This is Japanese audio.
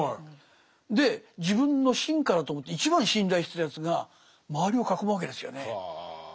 で自分の臣下だと思って一番信頼してたやつが周りを囲むわけですよね。は。